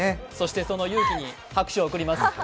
そして、その勇気に拍手を送ります